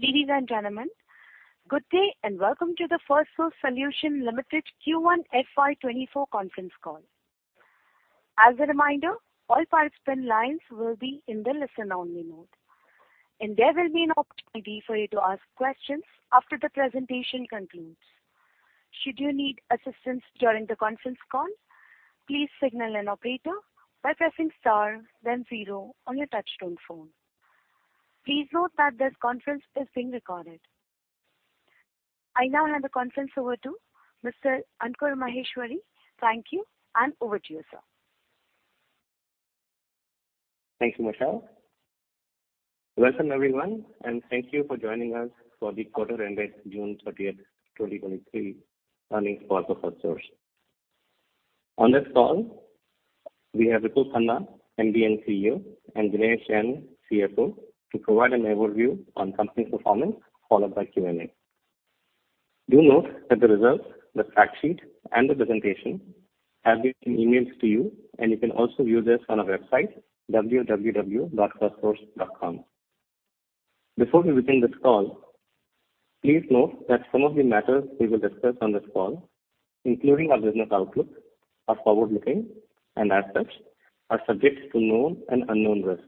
Ladies and gentlemen, good day, and welcome to the Firstsource Solutions Limited Q1 FY24 conference call. As a reminder, all participant lines will be in the listen-only mode, and there will be an opportunity for you to ask questions after the presentation concludes. Should you need assistance during the conference call, please signal an operator by pressing star then zero on your touchtone phone. Please note that this conference is being recorded. I now hand the conference over to Mr. Ankur Maheshwari. Thank you, and over to you, sir. Thank you, Michelle. Welcome, everyone, and thank you for joining us for the quarter ended June 30, 2023, earnings call for Firstsource. On this call, we have Ritesh Idnani, MD & CEO, and Dinesh Jain, CFO, to provide an overview on company performance, followed by Q&A. Do note that the results, the fact sheet, and the presentation have been in emails to you, and you can also view this on our website, www.firstsource.com. Before we begin this call, please note that some of the matters we will discuss on this call, including our business outlook, are forward-looking and as such, are subject to known and unknown risks.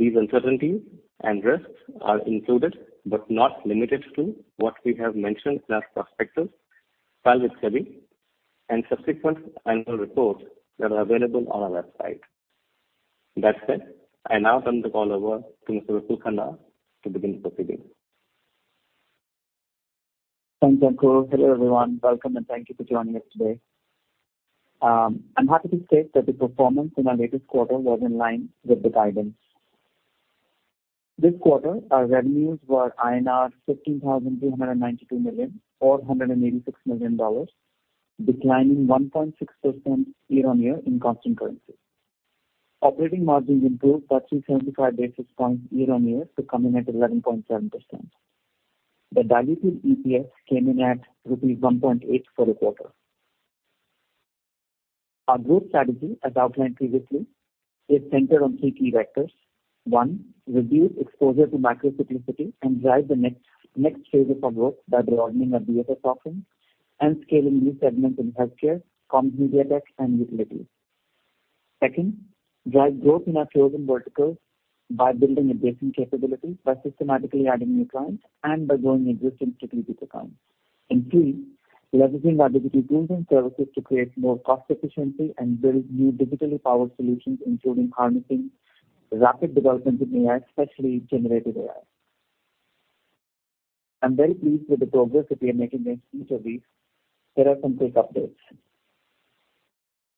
These uncertainties and risks are included, but not limited to, what we have mentioned in our prospectus, filed with SEBI, and subsequent annual reports that are available on our website. That said, I now turn the call over to Mr. Ritesh Idnani to begin proceedings. Thanks, Ankur. Hello, everyone. Welcome, and thank you for joining us today. I'm happy to state that the performance in our latest quarter was in line with the guidance. This quarter, our revenues were INR 15,392 million, or $186 million, declining 1.6% year-on-year in constant currency. Operating margins improved by 375 basis points year-on-year to come in at 11.7%. The diluted EPS came in at rupees 1.8 for the quarter. Our growth strategy, as outlined previously, is centered on three key vectors. One, reduce exposure to macro cyclicality and drive the next phases of growth by broadening our BFS offerings and scaling new segments in healthcare, comms, media, tech, and utilities. Second, drive growth in our chosen verticals by building adjacent capabilities, by systematically adding new clients, and by growing existing strategic accounts. Three, leveraging our digital tools and services to create more cost efficiency and build new digitally-powered solutions, including harnessing rapid developments in AI, especially generative AI. I'm very pleased with the progress that we are making against each of these. Here are some quick updates.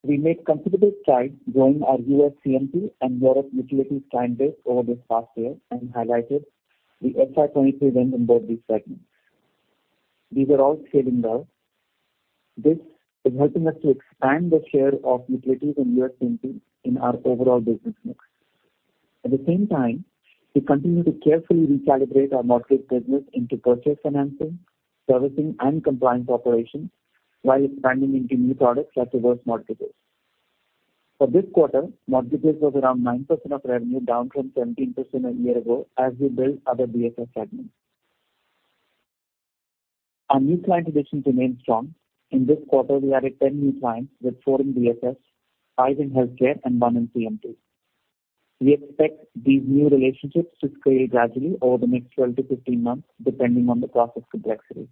We made considerable strides growing our US CMP and Europe utilities client base over this past year and highlighted the FY23 wins in both these segments. These are all scaling well. This is helping us to expand the share of utilities and US CMP in our overall business mix. At the same time, we continue to carefully recalibrate our mortgage business into purchase financing, servicing, and compliance operations, while expanding into new products that reverse mortgages. For this quarter, mortgages was around 9% of revenue, down from 17% a year ago, as we build other BFS segments. Our new client additions remain strong. In this quarter, we added 10 new clients, with 4 in BFS, 5 in healthcare, and 1 in CMP. We expect these new relationships to scale gradually over the next 12 to 15 months, depending on the process complexity.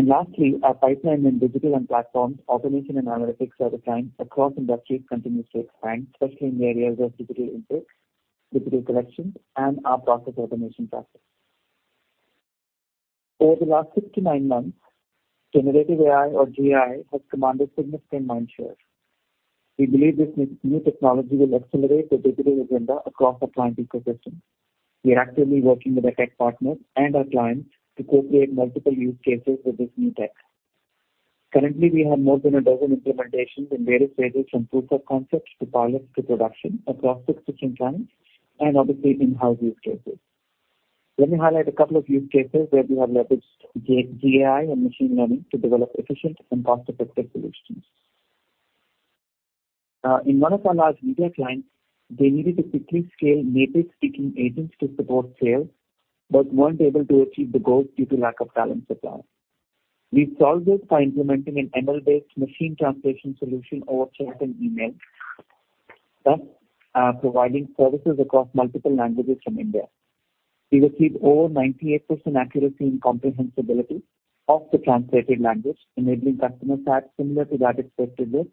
Lastly, our pipeline in digital and platforms, automation and analytics service lines across industries continues to expand, especially in the areas of digital intake, digital collections, and our process automation practice. Over the last 6 to 9 months, generative AI, or GenI, has commanded significant mindshare. We believe this new technology will accelerate the digital agenda across the client ecosystem. We are actively working with our tech partners and our clients to co-create multiple use cases with this new tech. Currently, we have more than 12 implementations in various phases, from proof of concepts to pilots to production across 6 different clients and obviously in-house use cases. Let me highlight a couple of use cases where we have leveraged GenAI and machine learning to develop efficient and cost-effective solutions. In one of our large media clients, they needed to quickly scale native-speaking agents to support sales, but weren't able to achieve the goals due to lack of talent supply. We solved this by implementing an ML-based machine translation solution over chat and email, thus providing services across multiple languages from India. We received over 98% accuracy and comprehensibility of the translated language, enabling customer sat similar to that expected with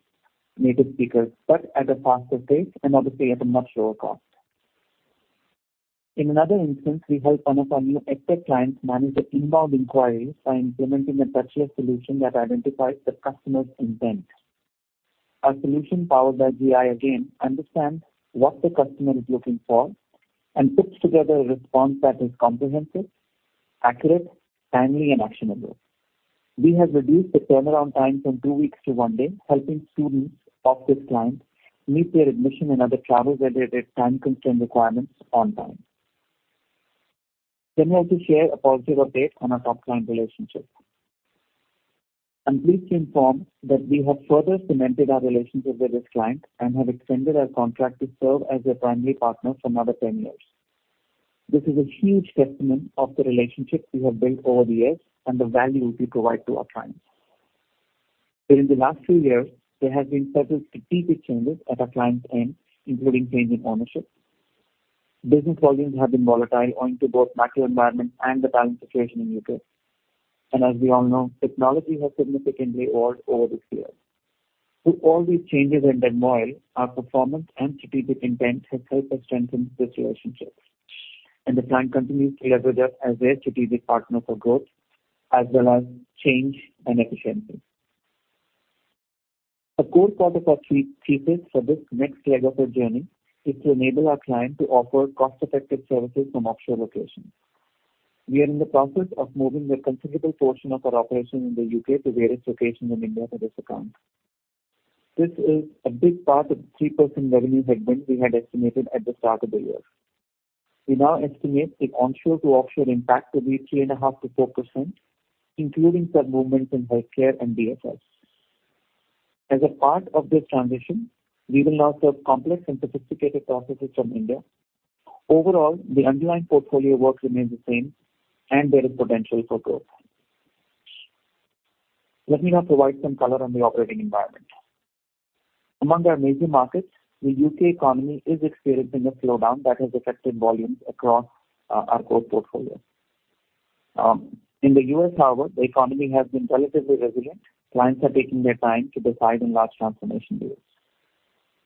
native speakers, but at a faster pace and obviously at a much lower cost. In another instance, we helped one of our new EdTech clients manage the inbound inquiries by implementing a touchless solution that identifies the customer's intent. Our solution, powered by AI, again, understands what the customer is looking for and puts together a response that is comprehensive, accurate, timely, and actionable. We have reduced the turnaround time from two weeks to one day, helping students of this client meet their admission and other travel-related time-constrained requirements on time. Let me also share a positive update on our top client relationship. I'm pleased to inform that we have further cemented our relationship with this client, and have extended our contract to serve as their primary partner for another 10 years. This is a huge testament of the relationship we have built over the years, and the value we provide to our clients. During the last two years, there have been several strategic changes at our client's end, including change in ownership. Business volumes have been volatile owing to both macro environment and the balance situation in UK. As we all know, technology has significantly evolved over this period. Through all these changes and turmoil, our performance and strategic intent has helped us strengthen this relationship. The client continues to leverage us as their strategic partner for growth as well as change and efficiency. A core part of our strategy for this next leg of our journey is to enable our client to offer cost-effective services from offshore locations. We are in the process of moving a considerable portion of our operations in the UK to various locations in India for this account. This is a big part of the 3% revenue headwind we had estimated at the start of the year. We now estimate the onshore to offshore impact to be 3.5%-4%, including some movements in healthcare and BFS. As a part of this transition, we will now serve complex and sophisticated processes from India. Overall, the underlying portfolio work remains the same, and there is potential for growth. Let me now provide some color on the operating environment. Among our major markets, the UK economy is experiencing a slowdown that has affected volumes across our core portfolio. In the U.S., however, the economy has been relatively resilient. Clients are taking their time to decide on large transformation deals.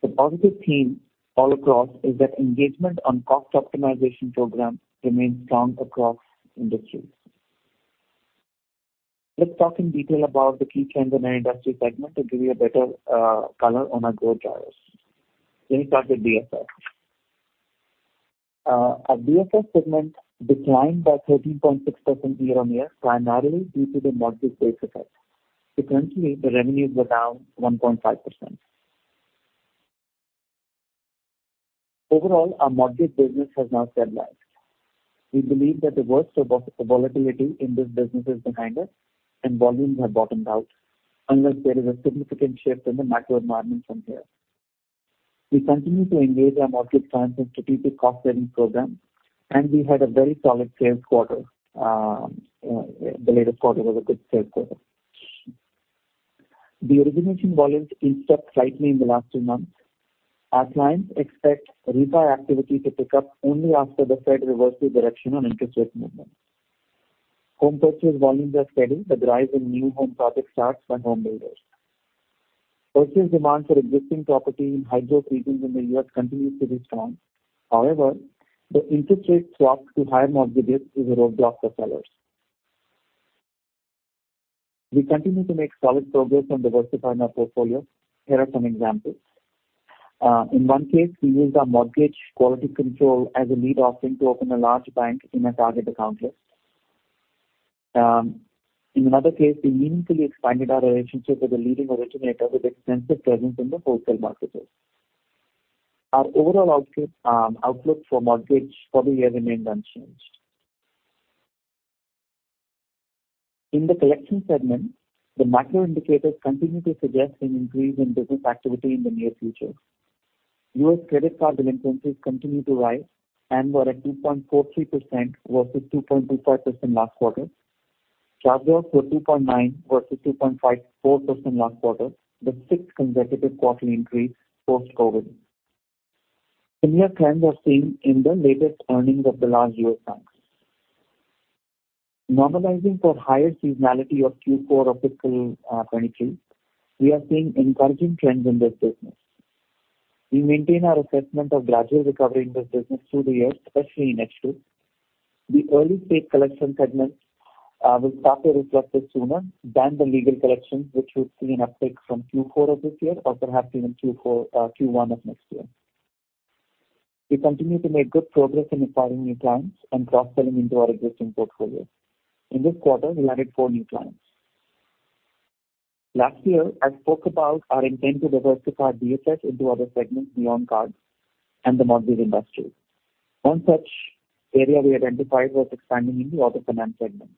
The positive theme all across is that engagement on cost optimization programs remains strong across industries. Let's talk in detail about the key trends in our industry segment to give you a better color on our growth drivers. Let me start with BFS. Our BFS segment declined by 13.6% year-on-year, primarily due to the mortgage base effect. Presently, the revenues were down 1.5%. Overall, our mortgage business has now stabilized. We believe that the worst of volatility in this business is behind us, and volumes have bottomed out, unless there is a significant shift in the macro environment from here. We continue to engage our mortgage clients in strategic cost-saving programs, and we had a very solid sales quarter. The latest quarter was a good sales quarter. The origination volumes eased up slightly in the last 2 months. Our clients expect refi activity to pick up only after the Fed reverses direction on interest rate movement. Home purchase volumes are steady, but drive in new home project starts by home builders. Purchase demand for existing property in high-growth regions in the U.S. continues to be strong. However, the interest rate swap to higher mortgage rates is a roadblock for sellers. We continue to make solid progress on diversifying our portfolio. Here are some examples. In one case, we used our mortgage quality control as a lead offering to open a large bank in our target account list. In another case, we meaningfully expanded our relationship with a leading originator with extensive presence in the wholesale marketplaces. Our overall outlook for mortgage for the year remained unchanged. In the collections segment, the macro indicators continue to suggest an increase in business activity in the near future. U.S. credit card delinquencies continue to rise and were at 2.43%, versus 2.25% last quarter. Charge-offs were 2.9%, versus 2.54% last quarter, the sixth consecutive quarterly increase post-COVID. Similar trends were seen in the latest earnings of the large U.S. banks. Normalizing for higher seasonality of Q4 of fiscal 2023, we are seeing encouraging trends in this business. We maintain our assessment of gradual recovery in this business through the year, especially in H2. The early-stage collection segment will start to reflect this sooner than the legal collection, which will see an uptick from Q4 of this year, or perhaps even Q4, Q1 of next year. We continue to make good progress in acquiring new clients and cross-selling into our existing portfolio. In this quarter, we added four new clients. Last year, I spoke about our intent to diversify BFS into other segments beyond cards and the mortgage industry. One such area we identified was expanding into auto finance segment.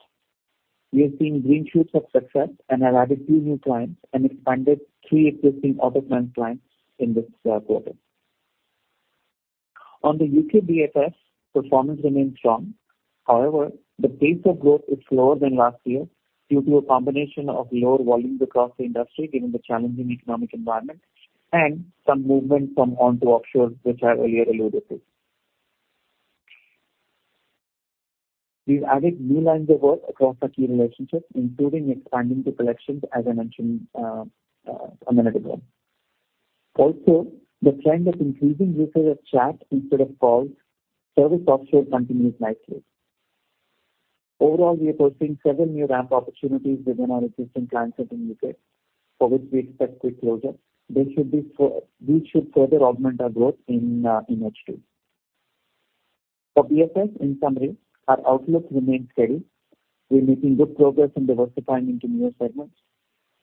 We have seen green shoots of success and have added two new clients, and expanded three existing auto finance clients in this quarter. On the UK BFS, performance remains strong. However, the pace of growth is slower than last year, due to a combination of lower volumes across the industry, given the challenging economic environment, and some movement from on to offshore, which I earlier alluded to. We've added new lines of work across our key relationships, including expanding to collections, as I mentioned a minute ago. The trend of increasing usage of chat instead of calls, service offshore continues nicely. We are pursuing several new ramp opportunities within our existing client set in UK, for which we expect quick closure. These should further augment our growth in H2. For BFS, in summary, our outlook remains steady. We're making good progress in diversifying into new segments.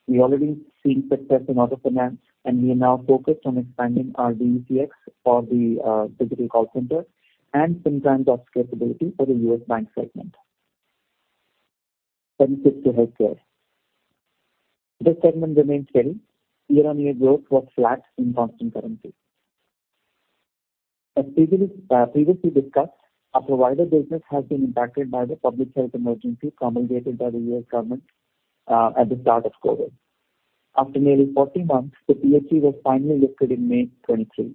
We've already seen success in auto finance, and we are now focused on expanding our DCX for the digital call center and some transaction capability for the U.S. bank segment. Sensitive to healthcare. This segment remains steady. Year-on-year growth was flat in constant currency. As previously discussed, our provider business has been impacted by the public health emergency promulgated by the U.S. government at the start of COVID. After nearly 40 months, the PHE was finally lifted in May 2023.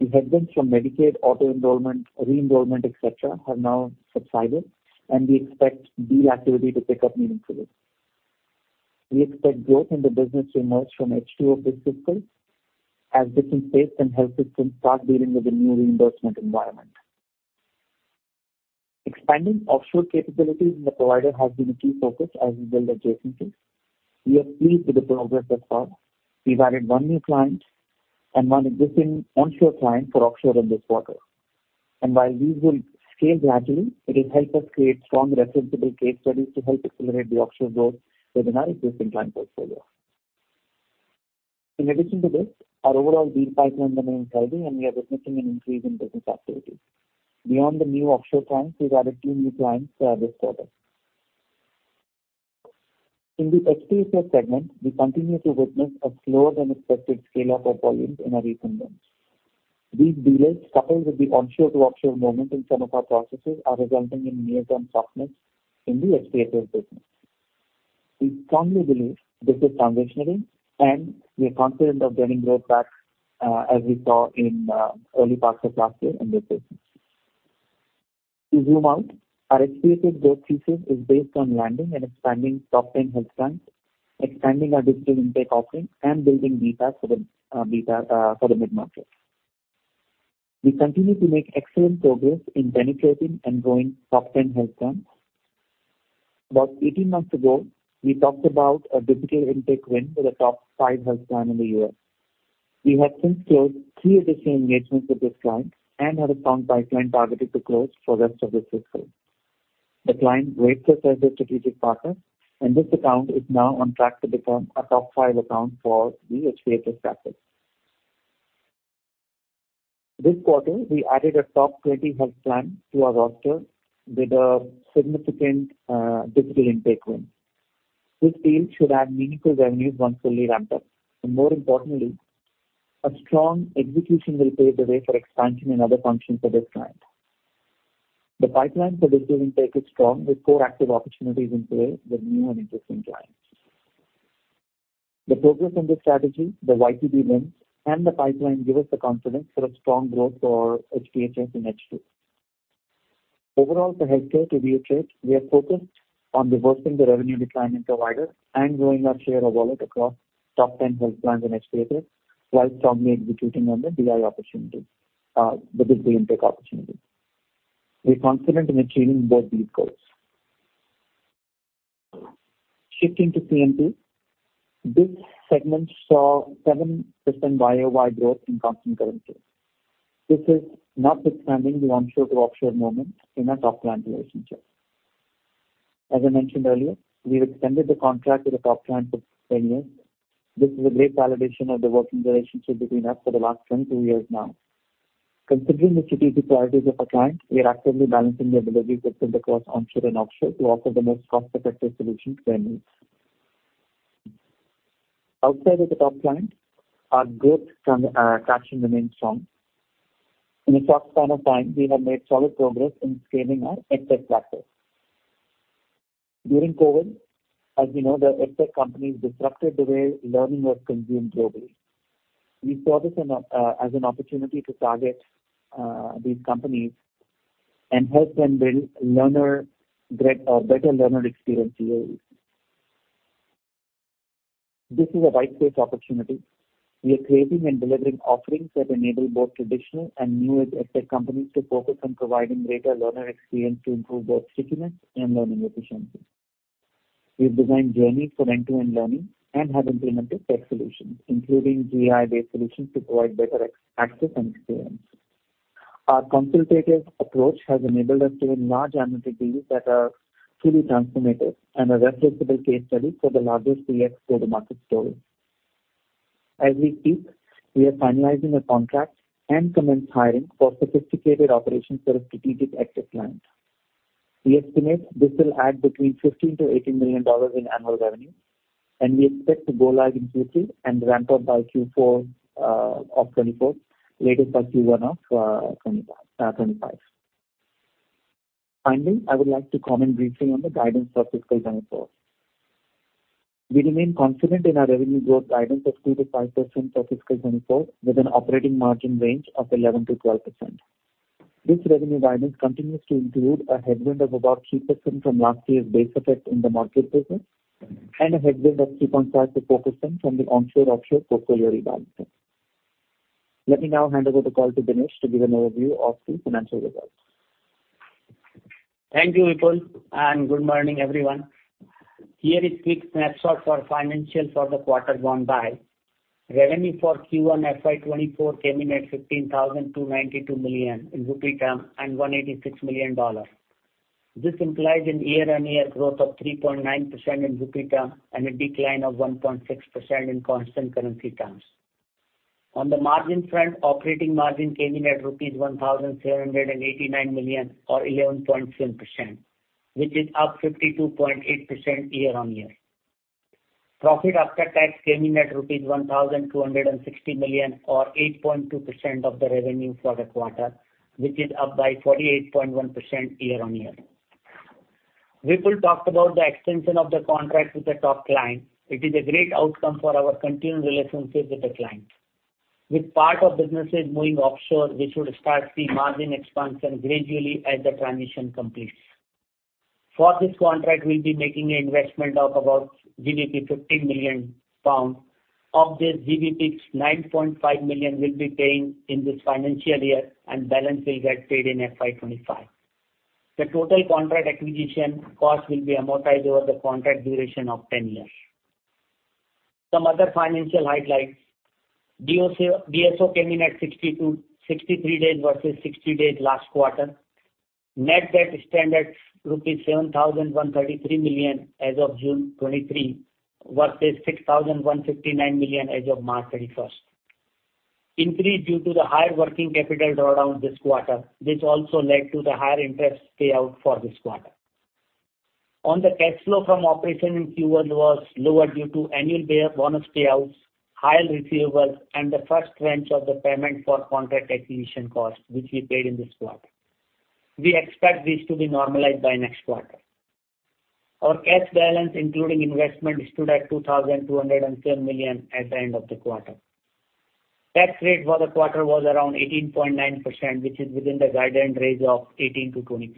The headwinds from Medicaid, auto enrollment, re-enrollment, et cetera, have now subsided. We expect deal activity to pick up meaningfully. We expect growth in the business to emerge from H2 of this fiscal, as different states and health systems start dealing with the new reimbursement environment. Expanding offshore capabilities in the provider has been a key focus as we build adjacencies. We are pleased with the progress thus far. We've added one new client and one existing onshore client for offshore in this quarter. While these will scale gradually, it will help us create strong referenceable case studies to help accelerate the offshore growth within our existing client portfolio. In addition to this, our overall deal pipeline remains healthy, and we are witnessing an increase in business activities. Beyond the new offshore clients, we've added two new clients for this quarter. In the HPA segment, we continue to witness a slower than expected scale-up of volumes in our recent wins. These delays, coupled with the onshore to offshore movement in some of our processes, are resulting in near-term softness in the HPA business. We strongly believe this is transitionary, and we are confident of getting growth back, as we saw in early parts of last year in this business. To zoom out, our HPHS growth thesis is based on landing and expanding top 10 health plans, expanding our digital intake offerings, and building beta for the beta for the mid-market. We continue to make excellent progress in penetrating and growing top 10 health plans. About 18 months ago, we talked about a digital intake win with a top five health plan in the U.S. We have since closed 3 additional engagements with this client and have a strong pipeline targeted to close for rest of this fiscal. The client rates us as a strategic partner, and this account is now on track to become a top five account for the HPHS practice. This quarter, we added a top 20 health plan to our roster with a significant digital intake win. This deal should add meaningful revenue once fully ramped up. More importantly, a strong execution will pave the way for expansion in other functions for this client. The pipeline for digital intake is strong, with four active opportunities in play with new and existing clients. The progress on this strategy, the YTD wins, and the pipeline give us the confidence for a strong growth for HPHS in H2. Overall, for healthcare, to reiterate, we are focused on reversing the revenue decline in provider and growing our share of wallet across top 10 health plans in HPHS, while strongly executing on the DI opportunities, the digital intake opportunities. We are confident in achieving both these goals. Shifting to CMP, this segment saw 7% YOY growth in constant currency. This is notwithstanding the onshore to offshore movement in our top client relationship. As I mentioned earlier, we've extended the contract with a top client for 10 years. This is a great validation of the working relationship between us for the last 22 years now. Considering the strategic priorities of our client, we are actively balancing the delivery system across onshore and offshore to offer the most cost-effective solution to their needs. Outside of the top client, our growth from, caption remains strong. In a short span of time, we have made solid progress in scaling our EdTech practice. During COVID, as we know, the EdTech companies disrupted the way learning was consumed globally. We saw this as an opportunity to target these companies and help them build better learner experience GOEs. This is a widespread opportunity. We are creating and delivering offerings that enable both traditional and new EdTech companies to focus on providing greater learner experience to improve both stickiness and learning efficiency. We've designed journeys for end-to-end learning and have implemented tech solutions, including GI-based solutions, to provide better access and experience. Our consultative approach has enabled us to win large annual deals that are truly transformative and a referenceable case study for the larger CX go-to-market story. As we speak, we are finalizing a contract and commence hiring for sophisticated operations for a strategic EdTech client. We estimate this will add between $15 million-$18 million in annual revenue, and we expect to go live in Q3 and ramp up by Q4 of 2024, latest by Q1 of 2025, 2025. Finally, I would like to comment briefly on the guidance for fiscal 2024. We remain confident in our revenue growth guidance of 2%-5% for fiscal 2024, with an operating margin range of 11%-12%. This revenue guidance continues to include a headwind of about 3% from last year's base effect in the market business, and a headwind of 3.5%-4% from the onshore/offshore portfolio rebalancing. Let me now hand over the call to Dinesh to give an overview of the financial results. Thank you, Vipul, and good morning, everyone. Here is quick snapshot for financials for the quarter gone by. Revenue for Q1 FY24 came in at 15,292 million in rupee term and $186 million. This implies an year-on-year growth of 3.9% in rupee term, and a decline of 1.6% in constant currency terms. On the margin front, operating margin came in at rupees 1,789 million or 11.7%, which is up 52.8% year-on-year. Profit after tax came in at rupees 1,260 million or 8.2% of the revenue for the quarter, which is up by 48.1% year-on-year. Vipul talked about the extension of the contract with the top client. It is a great outcome for our continued relationship with the client. With part of businesses moving offshore, we should start seeing margin expansion gradually as the transition completes. For this contract, we'll be making an investment of about 50 million pounds. Of this, 9.5 million will be paid in this financial year and balance will get paid in FY25. The total contract acquisition cost will be amortized over the contract duration of 10 years. Some other financial highlights. DSO, DSO came in at 62-63 days versus 60 days last quarter. Net debt stand at rupees 7,133 million as of June 2023, versus 6,159 million as of March 31st. Increase due to the higher working capital drawdown this quarter, which also led to the higher interest payout for this quarter. On the cash flow from operation in Q1 was lower due to annual pay bonus payouts, higher receivables, and the first tranche of the payment for contract acquisition costs, which we paid in this quarter. We expect this to be normalized by next quarter. Our cash balance, including investment, stood at 2,210 million at the end of the quarter. Tax rate for the quarter was around 18.9%, which is within the guidance range of 18%-20%.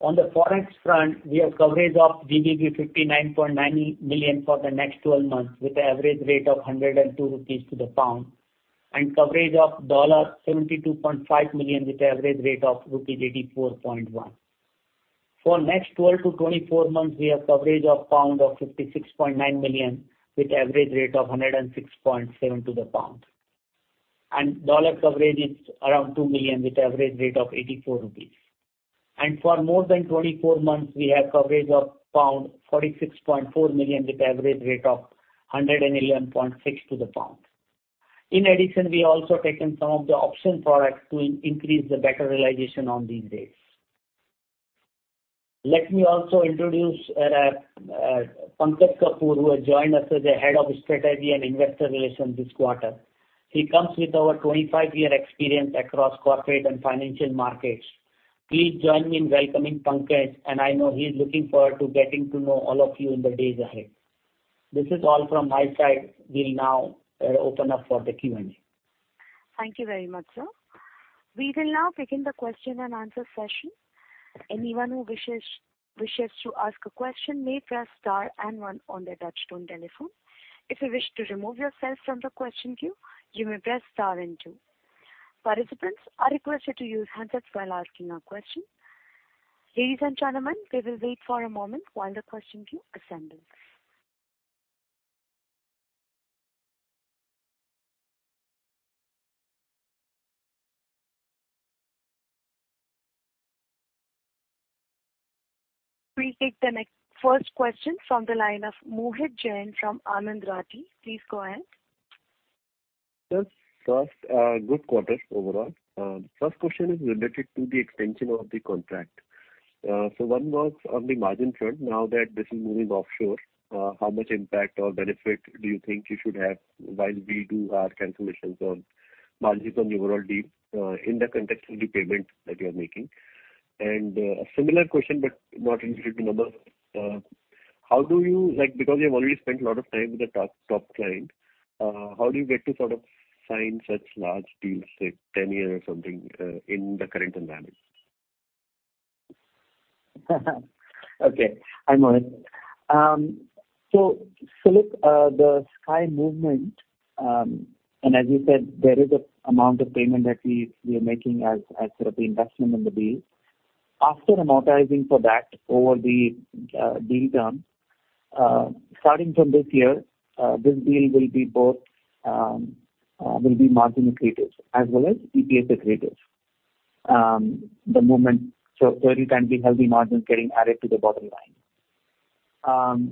On the forex front, we have coverage of GBP 59.90 million for the next 12 months, with an average rate of 102 rupees to the GBP, and coverage of $72.5 million, with an average rate of rupees 84.1. For next 12-24 months, we have coverage of 56.9 million pound, with average rate of 106.7 to the GBP. Dollar coverage is around $2 million, with average rate of 84 rupees. For more than 24 months, we have coverage of pound 46.4 million, with average rate of 111.6 to the GBP. In addition, we have also taken some of the option products to increase the better realization on these rates. Let me also introduce Pankaj Kapoor, who has joined us as the Head of Strategy and Investor Relations this quarter. He comes with over 25-year experience across corporate and financial markets. Please join me in welcoming Pankaj, and I know he's looking forward to getting to know all of you in the days ahead. This is all from my side. We'll now open up for the Q&A. Thank you very much, sir. We will now begin the question and answer session. Anyone who wishes to ask a question, may press star and one on their touchtone telephone. If you wish to remove yourself from the question queue, you may press star and two. Participants are requested to use handsets while asking a question. Ladies and gentlemen, we will wait for a moment while the question queue assembles. We take the first question from the line of Mohit Jain from Anand Rathi. Please go ahead. Yes, first, good quarter overall. First question is related to the extension of the contract. One was on the margin front. Now that this is moving offshore, how much impact or benefit do you think you should have while we do our calculations on margins and overall deal in the context of the payment that you are making? A similar question, but not related to numbers. How do you... Like, because you've already spent a lot of time with the top, top client, how do you get to sort of sign such large deals, say, 10 years or something, in the current environment? Okay. Hi, Mohit. Look, the sky movement, and as you said, there is an amount of payment that we, we are making as, as sort of investment in the deal. After amortizing for that over the deal term, starting from this year, this deal will be both, will be margin accretive as well as EPS accretive. The moment, you can see healthy margins getting added to the bottom line.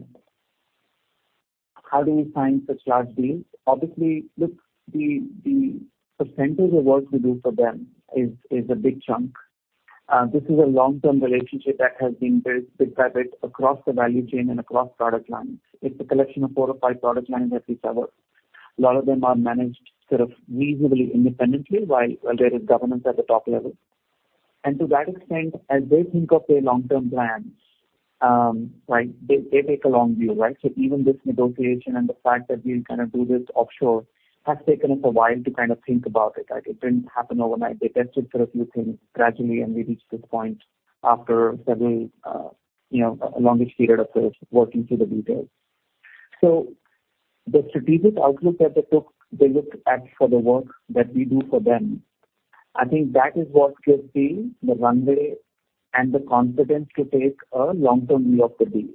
How do we sign such large deals? Obviously, look, the percentage of work we do for them is, is a big chunk. This is a long-term relationship that has been built bit by bit across the value chain and across product lines. It's a collection of four or five product lines that we cover. A lot of them are managed sort of reasonably independently, while, while there is governance at the top level. To that extent, as they think of their long-term plans, right, they, they take a long view, right? Even this negotiation and the fact that we kind of do this offshore, has taken us a while to kind of think about it, right? It didn't happen overnight. They tested sort of few things gradually, and we reached this point after several, you know, a longest period of sort of working through the details. The strategic outlook that they took, they looked at for the work that we do for them, I think that is what gives me the runway and the confidence to take a long-term view of the deal.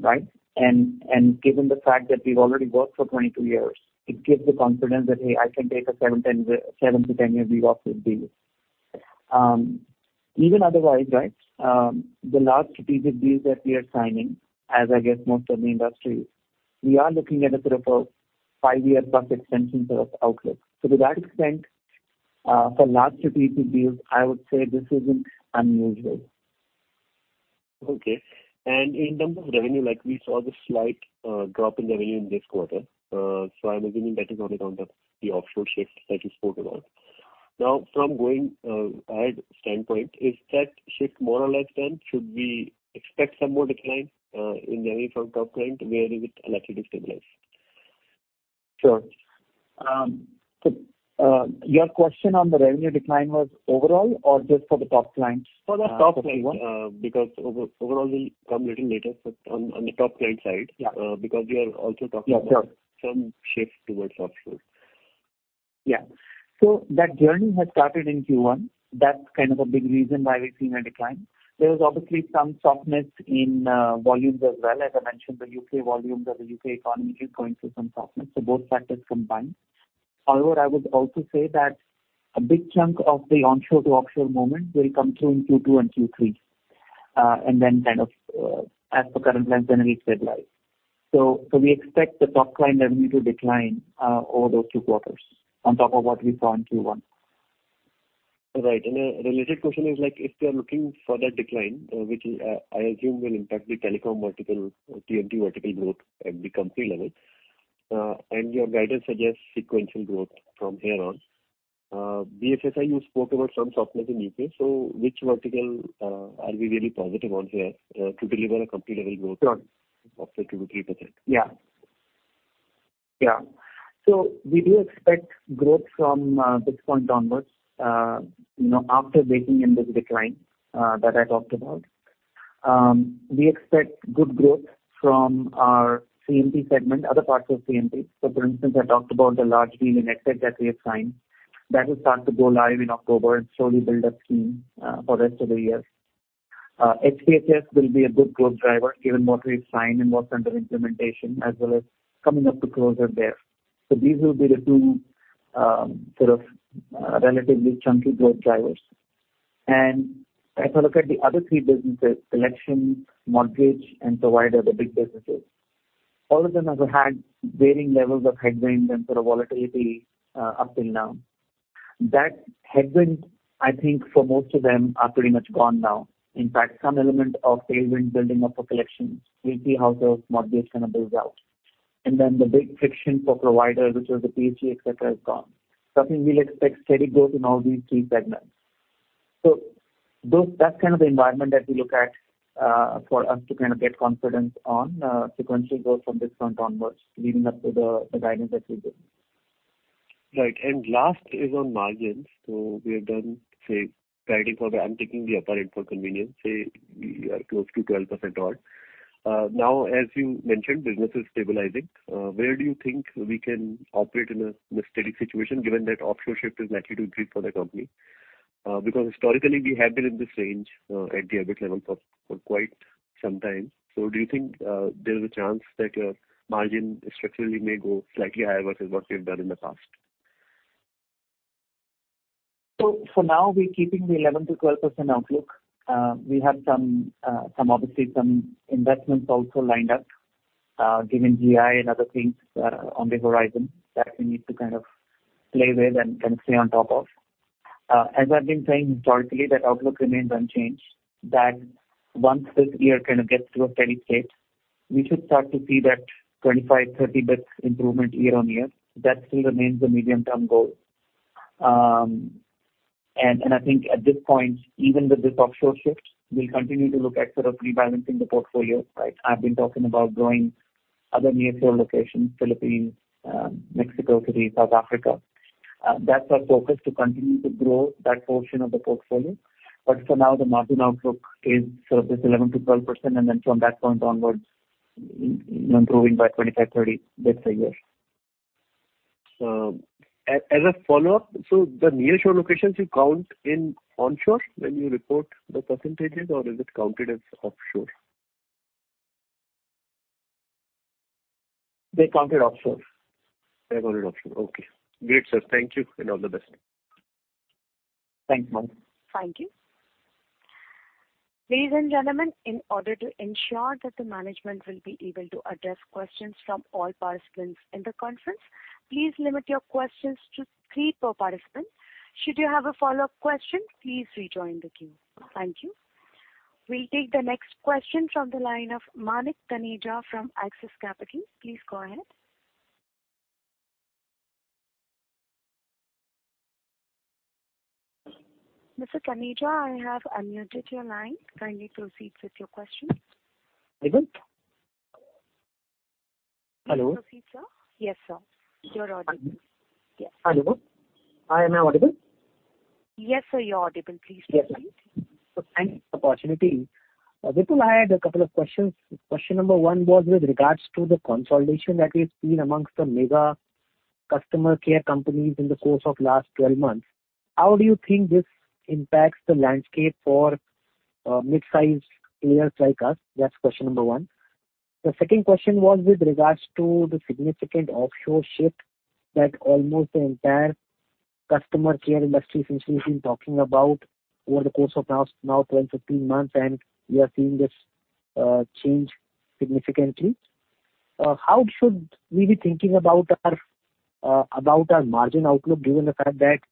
Right? And given the fact that we've already worked for 22 years, it gives the confidence that, hey, I can take a 7, 10, 7-10-year view of this deal.... even otherwise, right, the large strategic deals that we are signing, as I guess most of the industry, we are looking at a sort of a 5-year plus extension sort of outlook. To that extent, for large strategic deals, I would say this isn't unusual. Okay. In terms of revenue, like, we saw the slight drop in revenue in this quarter. I'm assuming that is on account of the offshore shift that you spoke about. From going ahead standpoint, is that shift more or less done? Should we expect some more decline in revenue from top client varying with electricity stabilize? Sure. Your question on the revenue decline was overall or just for the top clients? For the top clients. Okay. Because overall will come little later, but on the top client side. Yeah. because we are also talking about Yeah, sure. -some shift towards offshore. Yeah. That journey has started in Q1. That's kind of a big reason why we've seen a decline. There is obviously some softness in volumes as well. As I mentioned, the UK volumes or the UK economy is going through some softness, so both factors combined. However, I would also say that a big chunk of the onshore to offshore moment will come through in Q2 and Q3, and then kind of, as per current plans, then it will stabilize. We expect the top line revenue to decline over those two quarters on top of what we saw in Q1. Right. A related question is, like, if we are looking for that decline, which, I assume will impact the telecom vertical or TMT vertical growth at the company level, and your guidance suggests sequential growth from here on. BFSI, you spoke about some softness in UK, so which vertical, are we really positive on here, to deliver a company-level growth? Sure. of say 2, 3%? Yeah. Yeah. We do expect growth from this point onwards, you know, after baking in this decline that I talked about. We expect good growth from our CMP segment, other parts of CMP. For instance, I talked about the large deal in Xcel that we have signed. That will start to go live in October and slowly build up steam for the rest of the year. HKHS will be a good growth driver, given what we've signed and what's under implementation, as well as coming up to closure there. These will be the two sort of relatively chunky growth drivers. As I look at the other three businesses, collection, mortgage, and provider, the big businesses, all of them have had varying levels of headwinds and sort of volatility up till now. That headwind, I think for most of them, are pretty much gone now. In fact, some element of tailwind building up for collections. We'll see how the mortgage kind of builds out. Then the big friction for provider, which was the PHE, et cetera, is gone. I think we'll expect steady growth in all these three segments. That's kind of the environment that we look at, for us to kind of get confidence on, sequential growth from this point onwards, leading up to the, the guidance that we give. Right. Last is on margins. We have done, say, guiding for the, I'm taking the apparent for convenience, say, we are close to 12% odd. Now, as you mentioned, business is stabilizing. Where do you think we can operate in a, in a steady situation, given that offshore shift is likely to increase for the company? Because historically, we have been in this range, at the EBIT level for, for quite some time. Do you think, there is a chance that, margin structurally may go slightly higher versus what we've done in the past? For now, we're keeping the 11% to 12% outlook. We have some, some obviously some investments also lined up, given GI and other things, on the horizon that we need to kind of play with and kind of stay on top of. As I've been saying historically, that outlook remains unchanged. That once this year kind of gets to a steady state, we should start to see that 25, 30 bits improvement year-on-year. That still remains the medium-term goal. And I think at this point, even with this offshore shift, we'll continue to look at sort of rebalancing the portfolio, right? I've been talking about growing other nearshore locations, Philippines, Mexico City, South Africa. That's our focus, to continue to grow that portion of the portfolio. For now, the margin outlook is sort of this 11%-12%, and then from that point onwards, improving by 25, 30 bits a year. As a follow-up, so the nearshore locations you count in onshore when you report the percentages, or is it counted as offshore? They're counted offshore. Okay. Great, sir. Thank you, and all the best. Thanks, Manu. Thank you. Ladies and gentlemen, in order to ensure that the management will be able to address questions from all participants in the conference, please limit your questions to three per participant. Should you have a follow-up question, please rejoin the queue. Thank you. We'll take the next question from the line of Manik Taneja from Axis Capital. Please go ahead. Mr. Taneja, I have unmuted your line. Kindly proceed with your question. Hello? Please proceed, sir. Yes, sir. You're audible. Hello? Hi, am I audible? Yes, sir, you're audible. Please proceed. Thank you for the opportunity. Vipul, I had a couple of questions. Question number 1 was with regards to the consolidation that we've seen amongst the mega customer care companies in the course of last 12 months. How do you think this impacts the landscape for mid-sized players like us? That's question number one. The second question was with regards to the significant offshore shift that almost the entire customer care industry, since we've been talking about over the course of now, now 12, 15 months, and we are seeing this change significantly. How should we be thinking about our margin outlook, given the fact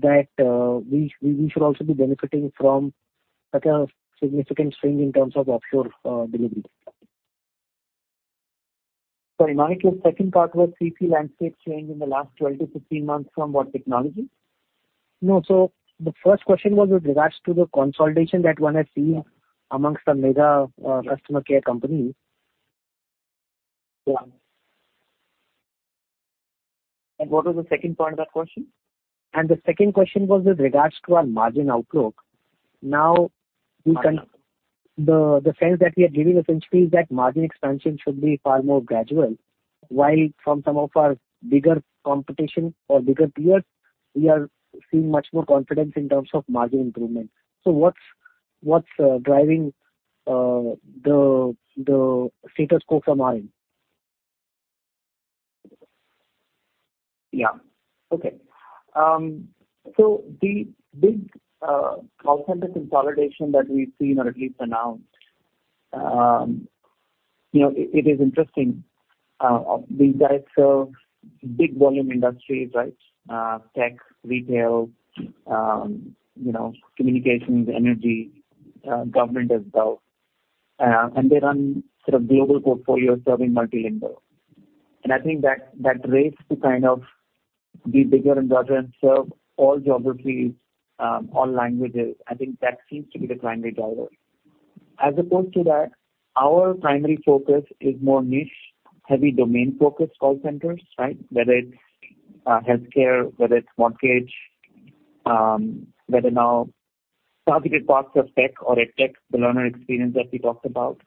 that we should also be benefiting from such a significant swing in terms of offshore delivery? Sorry, Manik, the second part was CC landscape change in the last 12 to 15 months from what technology? The first question was with regards to the consolidation that one has seen amongst the mega customer care companies. Yeah. What was the second part of that question? The second question was with regards to our margin outlook. Now, we can- Margin. The, the sense that we are giving, essentially, is that margin expansion should be far more gradual. While from some of our bigger competition or bigger peers, we are seeing much more confidence in terms of margin improvement. What's, what's, driving, the, the status quo from our end? Yeah. Okay. The big call center consolidation that we've seen, or at least announced, you know, it, it is interesting. These guys serve big volume industries, right? Tech, retail, you know, communications, energy, government as well. They run sort of global portfolios serving multilingual. I think that, that race to kind of be bigger and broader and serve all geographies, all languages, I think that seems to be the primary driver. As opposed to that, our primary focus is more niche, heavy domain-focused call centers, right? Whether it's healthcare, whether it's mortgage, whether now targeted parts of tech or EdTech, the learner experience that we talked about.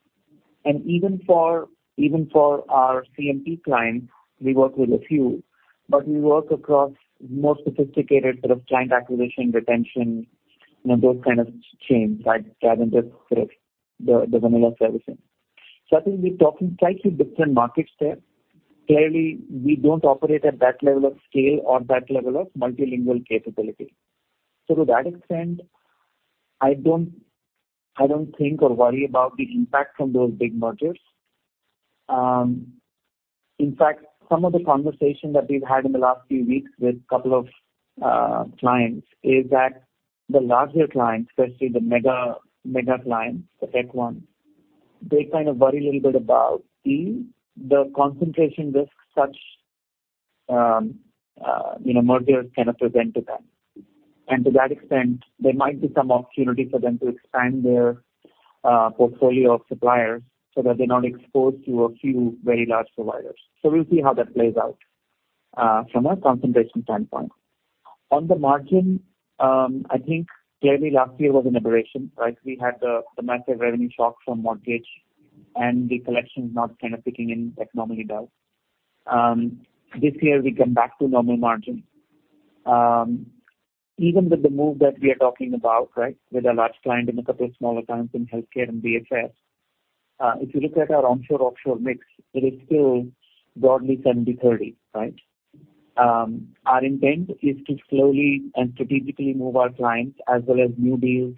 Even for, even for our CMP clients, we work with a few, but we work across more sophisticated sort of client acquisition, retention, you know, those kind of chains, right? Rather than just sort of the, the vanilla services. I think we're talking slightly different markets there. Clearly, we don't operate at that level of scale or that level of multilingual capability. To that extent, I don't, I don't think or worry about the impact from those big mergers. In fact, some of the conversation that we've had in the last few weeks with a couple of clients, is that the larger clients, especially the mega, mega clients, the tech ones, they kind of worry a little bit about the, the concentration risk such, you know, mergers can present to them. To that extent, there might be some opportunity for them to expand their portfolio of suppliers, so that they're not exposed to a few very large providers. We'll see how that plays out from a concentration standpoint. On the margin, I think clearly last year was an aberration, right? We had the, the massive revenue shock from mortgage and the collections not kind of kicking in like normally it does. This year we come back to normal margins. Even with the move that we are talking about, right, with a large client and a couple of smaller clients in healthcare and BFS, if you look at our onshore-offshore mix, it is still broadly 70/30, right? Our intent is to slowly and strategically move our clients as well as new deals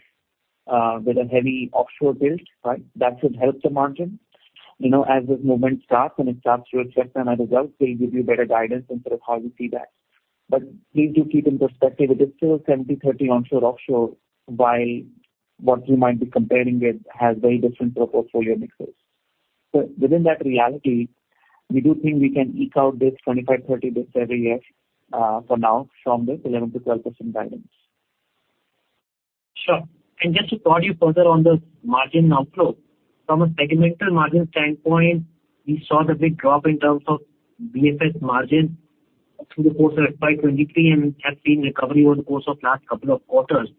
with a heavy offshore build, right? That should help the margin. You know, as this movement starts, and it starts to attract some other results, we'll give you better guidance in terms of how you see that. But please do keep in perspective, it is still 70/30 onshore/offshore, while what you might be comparing it has very different sort of portfolio mixes. So within that reality, we do think we can eke out this 25, 30 basis every year, for now, from this 11%-12% guidance. Sure. Just to prod you further on the margin outlook. From a segmental margin standpoint, we saw the big drop in terms of BFS margin through the course of FY23, and have seen recovery over the course of last couple of quarters.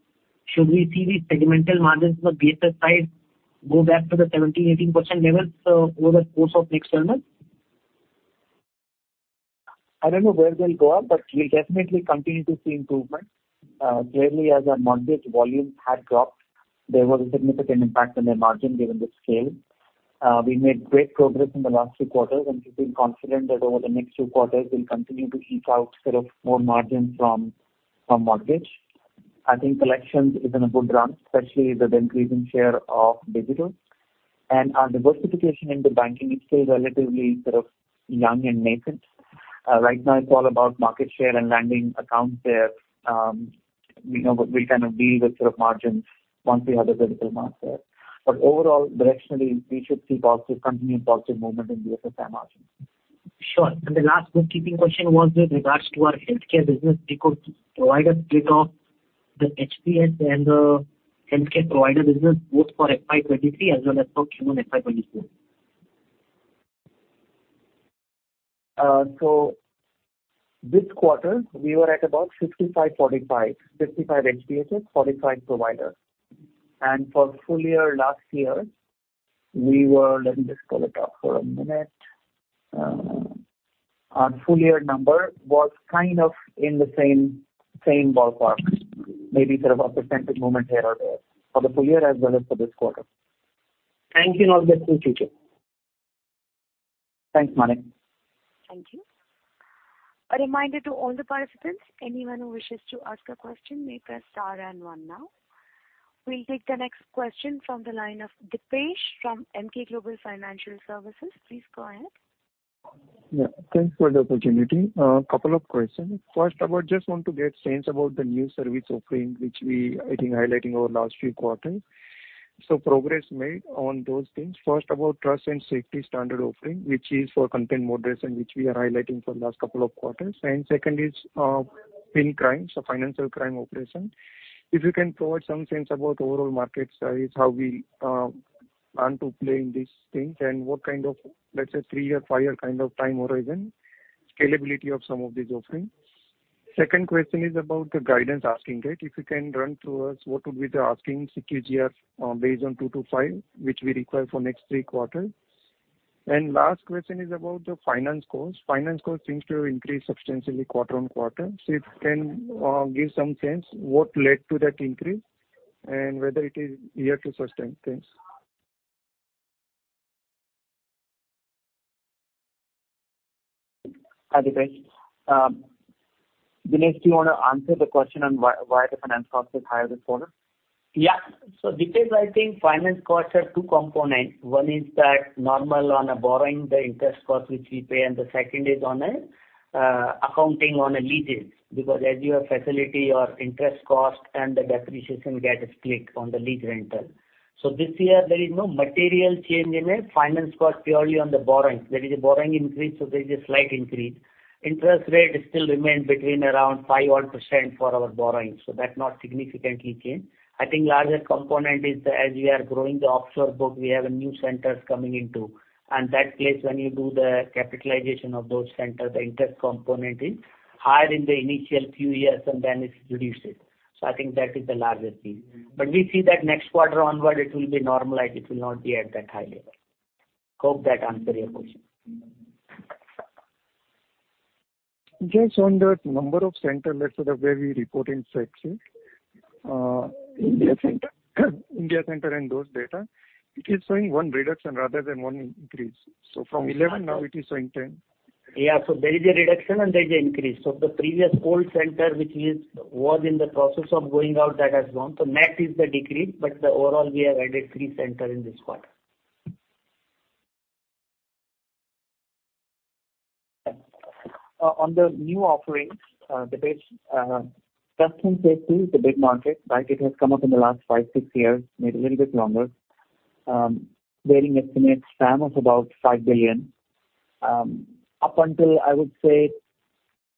Should we see the segmental margins on the BFS side go back to the 17%-18% levels, over the course of next 12 months? I don't know where they'll go up, but we'll definitely continue to see improvement. Clearly, as our mortgage volumes had dropped, there was a significant impact on their margin, given the scale. We made great progress in the last two quarters, and we feel confident that over the next two quarters, we'll continue to eke out sort of more margin from, from mortgage. I think collections is in a good run, especially with the increasing share of digital. Our diversification into banking is still relatively sort of young and nascent. Right now it's all about market share and landing accounts there. You know, we'll kind of deal with sort of margins once we have a critical mass there. Overall, directionally, we should see positive, continued positive movement in BFS and margins. Sure. The last bookkeeping question was with regards to our healthcare business. We could provide a split of the HPS and the healthcare provider business, both for FY23 as well as for Q1 FY24. This quarter, we were at about 55, 45. 55 HPSs, 45 providers. For full year, last year, we were. Let me just pull it up for a minute. Our full year number was kind of in the same, same ballpark, maybe sort of a percentage movement here or there for the full year as well as for this quarter. Thank you, and I'll get to you, TJ. Thanks, Manik. Thank you. A reminder to all the participants, anyone who wishes to ask a question, may press star and one now. We'll take the next question from the line of Dipesh from MK Global Financial Services. Please go ahead. Yeah. Thanks for the opportunity. Couple of questions. First, I would just want to get sense about the new service offering, which we, I think, highlighting over the last few quarters. Progress made on those things. First of all, trust and safety standard offering, which is for content moderation, which we are highlighting for the last couple of quarters. Second is fincrime, so financial crime operation. If you can provide some sense about overall market size, how we plan to play in these things, and what kind of, let's say, three-year, five-year kind of time horizon, scalability of some of these offerings. Second question is about the guidance asking rate. If you can run through us what would be the asking CAGR, base on 2 to 5, which we require for next three quarters? Last question is about the finance costs. Finance costs seems to have increased substantially quarter on quarter. If you can give some sense what led to that increase, and whether it is here to sustain. Thanks. Hi, Dipesh. Dinesh, do you want to answer the question on why, why the finance costs is higher this quarter? Yeah. Dipesh I think finance costs have 2 components. One is that normal on a borrowing, the interest cost which we pay, and the second is on a accounting on a leases. Because as your facility, your interest cost and the depreciation gets clicked on the lease rental. This year there is no material change in a finance cost purely on the borrowing. There is a borrowing increase, there is a slight increase. Interest rate still remains between around 5 odd % for our borrowing, that not significantly change. I think larger component is as we are growing the offshore book, we have a new centers coming into. That place, when you do the capitalization of those centers, the interest component is higher in the initial few years, and then it's reduced it. I think that is the larger piece. We see that next quarter onward it will be normalized. It will not be at that high level. Hope that answer your question? Just on the number of center, let's say, the way we report in section. India center. India center and those data, it is showing one reduction rather than one increase. From 11, now it is showing 10. Yeah. There is a reduction and there is a increase. The previous old center, which was in the process of going out, that has gone. Net is the decrease, but the overall, we have added three center in this quarter. On the new offerings, the base, trust and safety is a big market, right? It has come up in the last five, six years, maybe a little bit longer. Varying estimates span of about $5 billion. Up until, I would say,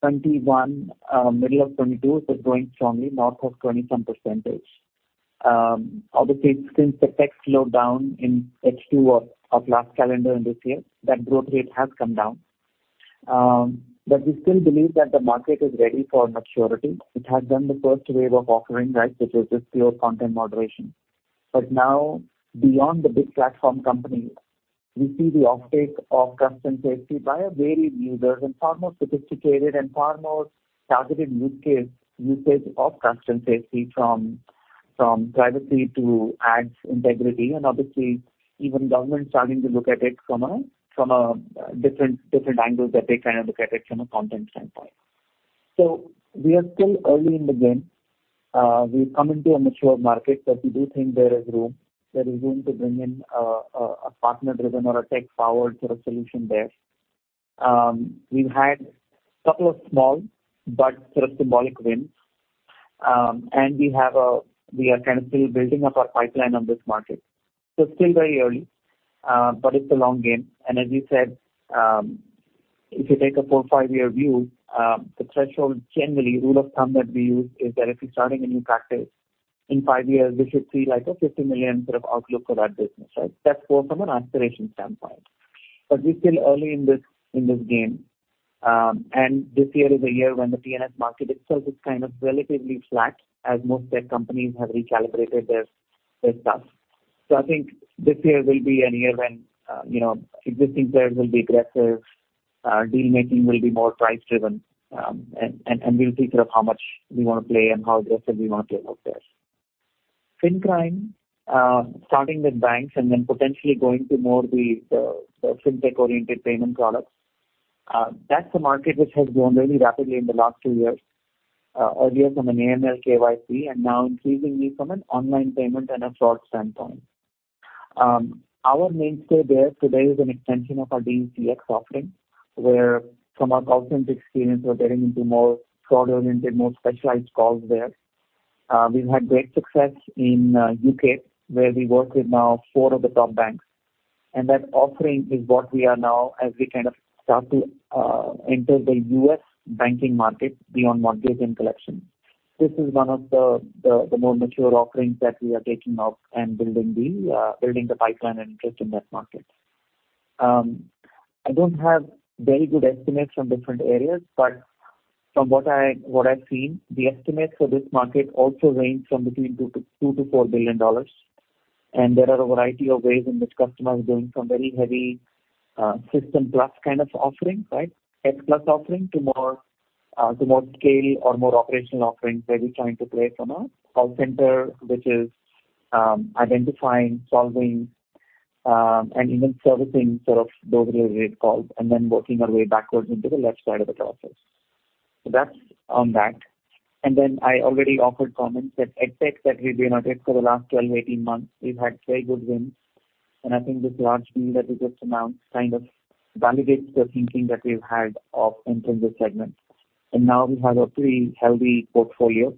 2021, middle of 2022, it is growing strongly, north of 20-some%. Obviously, since the tech slowed down in H2 of, of last calendar and this year, that growth rate has come down. We still believe that the market is ready for maturity. It has done the first wave of offering, right, which is just pure content moderation. Now, beyond the big platform company, we see the uptake of trust and safety by a varied users, and far more sophisticated and far more targeted use case- usage of trust and safety, from, from privacy to ads integrity. Obviously, even government starting to look at it from a, from a different, different angle, that they kind of look at it from a content standpoint. We are still early in the game. We've come into a mature market, but we do think there is room, there is room to bring in a, a, a partner-driven or a tech-forward sort of solution there. We've had couple of small but sort of symbolic wins. We have a, we are kind of still building up our pipeline on this market. Still very early, but it's a long game. As you said, if you take a four, five-year view, the threshold generally, rule of thumb that we use, is that if you're starting a new practice, in five years, we should see like a $50 million sort of outlook for that business, right? That's more from an aspiration standpoint. We're still early in this, in this game. This year is a year when the PNS market itself is kind of relatively flat, as most tech companies have recalibrated their, their stuff. I think this year will be a year when, you know, existing players will be aggressive, deal making will be more price driven, and we'll see sort of how much we want to play and how aggressively we want to play out there. FinCrime, starting with banks and then potentially going to more the, the, the fintech-oriented payment products, that's a market which has grown really rapidly in the last 2 years. Earlier from an AML, KYC, and now increasingly from an online payment and a fraud standpoint. Our mainstay there today is an extension of our DCX offering, where from our call center experience, we're getting into more fraud-oriented, more specialized calls there. We've had great success in UK, where we work with now four of the top banks. That offering is what we are now, as we kind of start to enter the US banking market beyond mortgage and collection. This is one of the, the, the more mature offerings that we are taking up and building the, building the pipeline and interest in that market. I don't have very good estimates from different areas, but from what I, what I've seen, the estimates for this market also range from between $2 billion-$4 billion. There are a variety of ways in which customers are doing some very heavy system plus kind of offerings, right? X-plus offering to more to more scale or more operational offerings, where we're trying to play from a call center, which is identifying, solving, and even servicing sort of those related calls, and then working our way backwards into the left side of the process. That's on that. Then I already offered comments that EdTech that we've been on it for the last 12 to 18 months, we've had very good wins. I think this large win that we just announced kind of validates the thinking that we've had of entering this segment. Now we have a pretty healthy portfolio,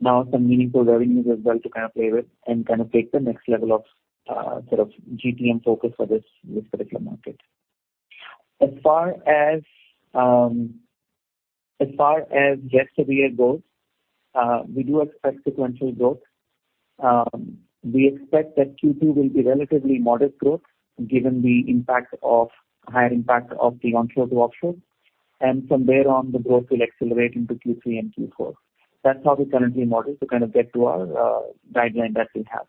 now some meaningful revenues as well to kind of play with and kind of take the next level of sort of GTM focus for this, this particular market. As far as, as far as year-to-year growth, we do expect sequential growth. We expect that Q2 will be relatively modest growth, given the higher impact of the onshore to offshore, and from there on, the growth will accelerate into Q3 and Q4. That's how we currently model to kind of get to our guideline that we have.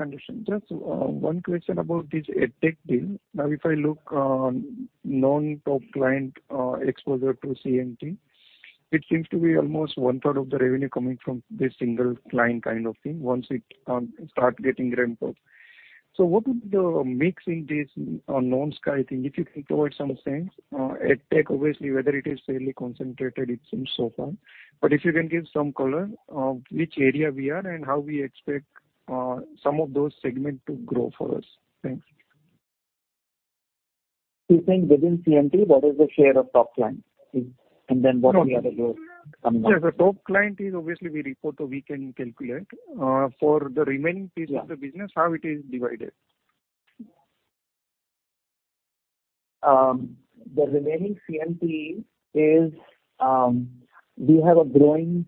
Understood. Just one question about this EdTech deal. Now, if I look on non-top client, exposure to CMT, it seems to be almost one-third of the revenue coming from this single client kind of thing, once it, start getting ramped up. What would the mix in this, non-sky thing, if you can provide some sense, EdTech, obviously, whether it is fairly concentrated, it seems so far, if you can give some color, which area we are and how we expect, some of those segment to grow for us? Thanks. You think within CMT, what is the share of top client? Then what we have to go coming up? Yes, the top client is obviously we report, so we can calculate. For the remaining pieces. Yeah. of the business, how it is divided? The remaining CMT is, we have a growing,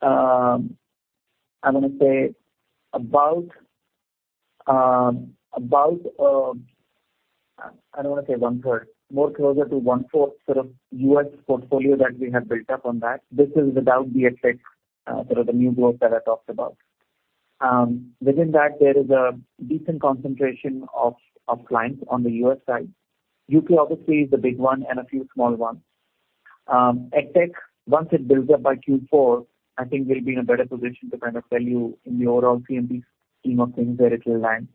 I'm gonna say about, about, I don't want to say one-third, more closer to one-fourth sort of U.S. portfolio that we have built up on that. This is without the EdTech, sort of the new growth that I talked about. Within that, there is a decent concentration of, of clients on the U.S. side. UK, obviously, is a big one and a few small ones. EdTech, once it builds up by Q4, I think we'll be in a better position to kind of tell you in the overall CMT scheme of things where it will land.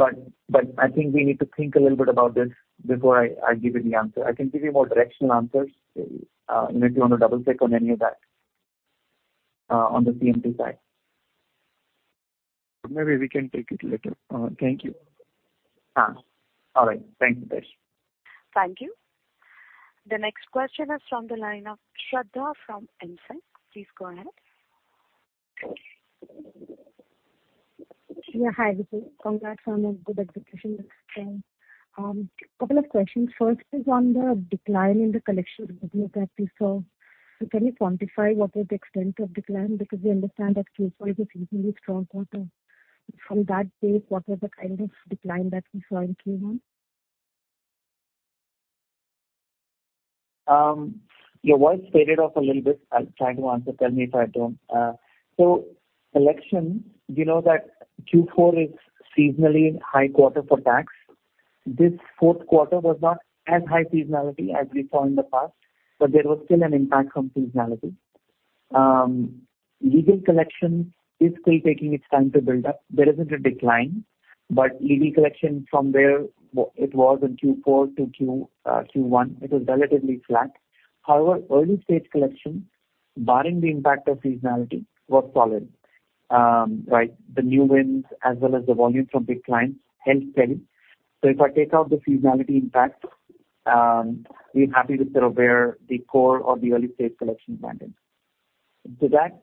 I think we need to think a little bit about this before I, I give you the answer. I can give you more directional answers, and if you want to double-check on any of that, on the CMT side. Maybe we can take it later. Thank you. All right. Thank you. Dipesh. Thank you. The next question is from the line of Shradha from AMSEC. Please go ahead. Yeah, hi, Vipul. Congrats on a good execution. Couple of questions. First is on the decline in the collection that we saw. Can you quantify what was the extent of decline? Because we understand that Q4 is a seasonally strong quarter. From that base, what was the kind of decline that we saw in Q1? Your voice faded off a little bit. I'll try to answer. Tell me if I don't. Collection, we know that Q4 is seasonally high quarter for tax. This fourth quarter was not as high seasonality as we saw in the past, but there was still an impact from seasonality. Legal collection is still taking its time to build up. There isn't a decline, but legal collection from where it was in Q4 to Q1, it was relatively flat. Early stage collection, barring the impact of seasonality, was solid. Right. The new wins as well as the volume from big clients helped steady. If I take out the seasonality impact, we're happy with sort of where the core or the early stage collection landed. Did that,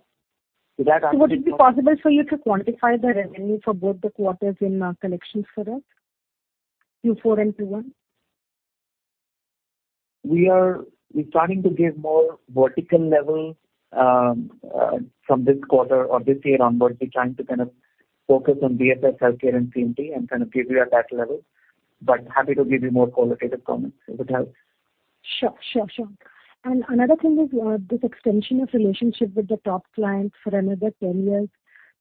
did that answer your- Would it be possible for you to quantify the revenue for both the quarters in collections for us, Q4 and Q1? We are -- we're starting to give more vertical level from this quarter or this year onwards. We're trying to kind of focus on BSS, healthcare, and CMT and kind of give you at that level, but happy to give you more qualitative comments, if it helps. Sure, sure, sure. Another thing is, this extension of relationship with the top client for another 10 years.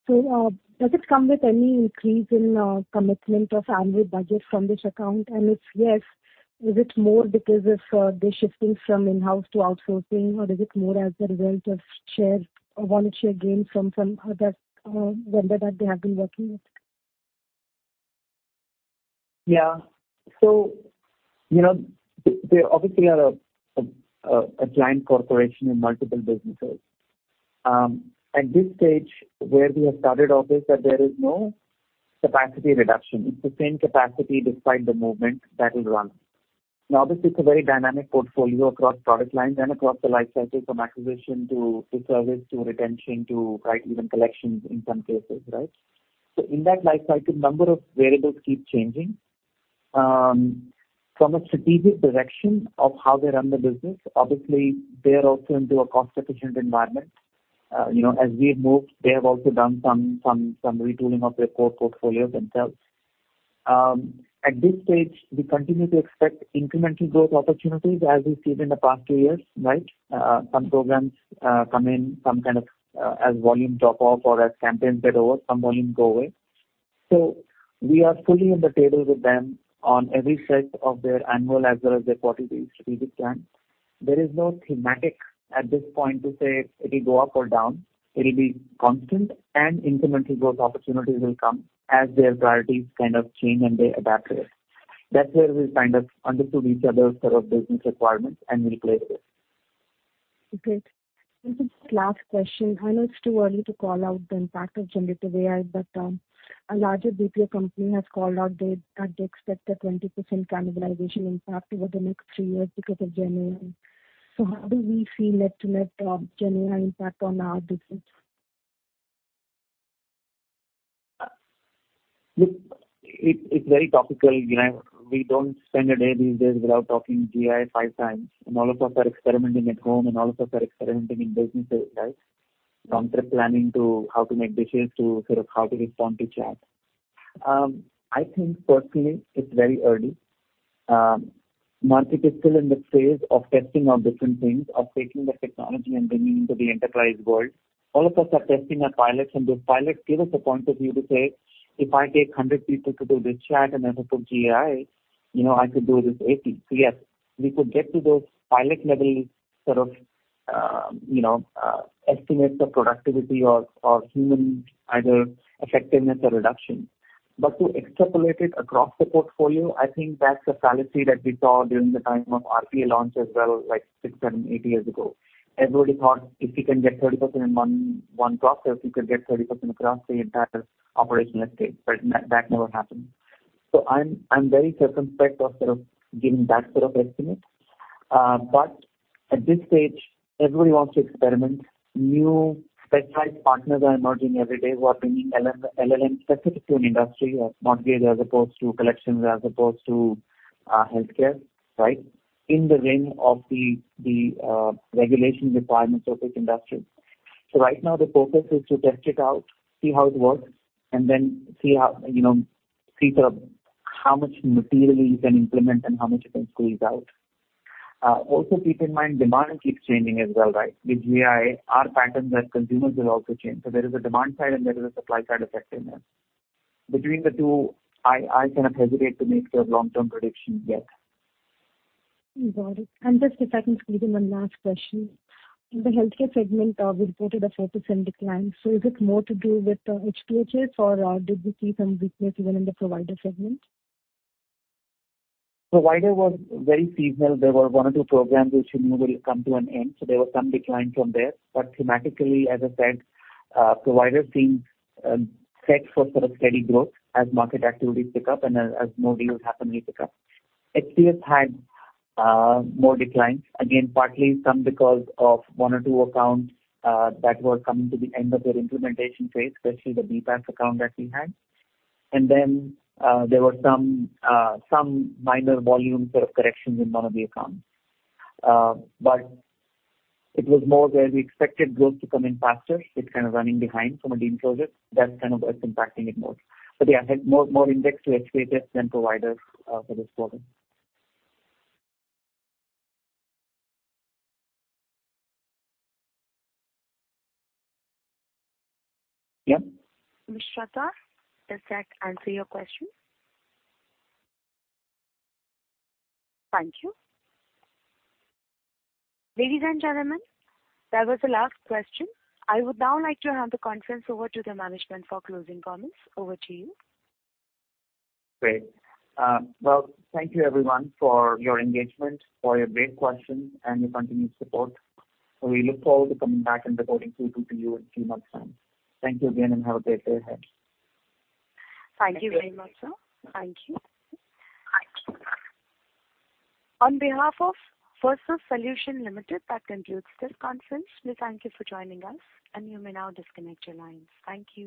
Does it come with any increase in commitment of annual budget from this account? If yes, is it more because of, they're shifting from in-house to outsourcing, or is it more as a result of share or volume share gains from, from other, vendor that they have been working with? Yeah. You know, they, they obviously are a client corporation in multiple businesses. At this stage, where we have started off is that there is no capacity reduction. It's the same capacity despite the movement that will run. Now, this is a very dynamic portfolio across product lines and across the life cycle, from acquisition to service, to retention, to, right, even collections in some cases, right? In that life cycle, number of variables keep changing. From a strategic direction of how they run the business, obviously, they are also into a cost-efficient environment. You know, as we've moved, they have also done some retooling of their core portfolio themselves. At this stage, we continue to expect incremental growth opportunities as we've seen in the past two years, right? Some programs come in some kind of as volume drop-off or as campaigns fade over, some volumes go away. We are fully on the table with them on every set of their annual as well as their quarterly strategic plans. There is no thematic at this point to say it'll go up or down. It'll be constant and incremental growth opportunities will come as their priorities kind of change and they adapt to it. That's where we kind of understood each other's sort of business requirements, and we'll play with. Okay. This is the last question. I know it's too early to call out the impact of generative AI, but a larger BPO company has called out that they expect a 20% cannibalization impact over the next three years because of GenAI. How do we see net-to-net, GenAI impact on our business? Look, it's very topical, you know. We don't spend a day these days without talking GenAI five times, and all of us are experimenting at home, and all of us are experimenting in businesses, right? From trip planning to how to make decisions to sort of how to respond to chats. I think personally, it's very early. Market is still in the phase of testing out different things, of taking the technology and bringing into the enterprise world. All of us are testing our pilots, and those pilots give us a point of view to say, "If I take 100 people to do this chat and then I put GenAI, you know, I could do this with 80." Yes, we could get to those pilot-level sort of, you know, estimates of productivity or, or human either effectiveness or reduction. To extrapolate it across the portfolio, I think that's a fallacy that we saw during the time of RPA launch as well, like six and eight years ago. Everybody thought if you can get 30% in one, one process, you could get 30% across the entire operational estate, but that, that never happened. I'm, I'm very circumspect of sort of giving that sort of estimate. At this stage, everybody wants to experiment. New specialized partners are emerging every day who are bringing LL, LLM specific to an industry or mortgage, as opposed to collections, as opposed to healthcare, right? In the vein of the, the regulation requirements of each industry. Right now, the focus is to test it out, see how it works, and then see how, you know, see sort of how much materially you can implement and how much you can squeeze out. Also keep in mind, demand keeps changing as well, right? With GI, our patterns as consumers will also change. There is a demand side and there is a supply side effect in there. Between the two, I, I kind of hesitate to make a long-term prediction yet. Got it. Just if I can squeeze in one last question. In the healthcare segment, we reported a 4% decline. So is it more to do with the HPHS or did you see some weakness even in the provider segment? Provider was very seasonal. There were one or two programs which will come to an end, there was some decline from there. Thematically, as I said, providers being set for sort of steady growth as market activities pick up and as, as more deals happen, we pick up. HPS had more declines, again, partly some because of one or two accounts that were coming to the end of their implementation phase, especially the BPaaS account that we had. There were some minor volume sort of corrections in one of the accounts. It was more where we expected growth to come in faster. It's kind of running behind from a deal closure. That's kind of what's impacting it more. Yeah, I had more, more index to HPS than providers for this problem. Yep. Shradha, does that answer your question? Thank you. Ladies and gentlemen, that was the last question. I would now like to hand the conference over to the management for closing comments. Over to you. Great. Well, thank you everyone for your engagement, for your great questions, and your continued support. We look forward to coming back and reporting Q2 to you in a few months' time. Thank you again. Have a great day ahead. Thank you very much, sir. Thank you. Thank you. On behalf of Firstsource Solutions Limited, that concludes this conference. We thank you for joining us, and you may now disconnect your lines. Thank you.